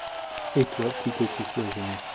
Et toi, qui que tu sois, génie